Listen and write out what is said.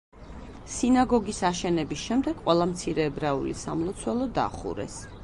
სინაგოგის აშენების შემდეგ ყველა მცირე ებრაული სამლოცველო დახურეს.